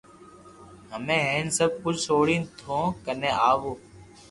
ھمي ھين سب ڪجھ سوڙين ٿو ڪني آوو